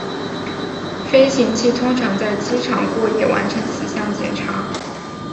飞行器通常在机场过夜完成此项检查。